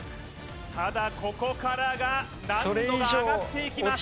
ただここからが難易度がそれ以上上がっていきます